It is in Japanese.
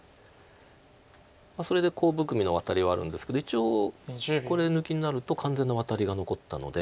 それでコウ含みのワタリはあるんですけど一応これ抜きになると完全なワタリが残ったので。